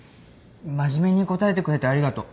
真面目に答えてくれてありがとう。